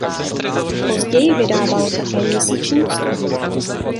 Později vydával také měsíčník Studna.